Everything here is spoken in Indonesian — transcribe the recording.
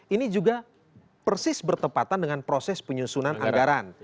ini juga persis bertepatan dengan proses penyusunan anggaran